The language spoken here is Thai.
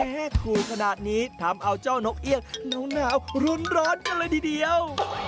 ถูกขนาดนี้ทำเอาเจ้านกเอี่ยงหนาวรุ้นร้อนกันเลยทีเดียว